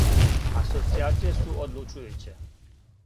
Асоцијације су одлучујуће.